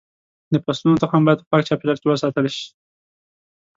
د فصلونو تخم باید په پاک چاپېریال کې وساتل شي.